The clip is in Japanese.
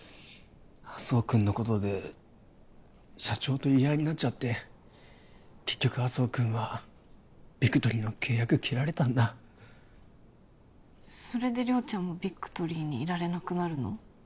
麻生君のことで社長と言い合いになっちゃって結局麻生君はビクトリーの契約切られたんだそれで亮ちゃんもビクトリーにいられなくなるの？